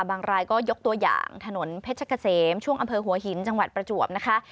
รายก็ยกตัวอย่างถนนเพชรเกษมช่วงอำเภอหัวหินจังหวัดประจวบนะคะ